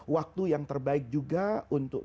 waktu yang terbaik juga untuk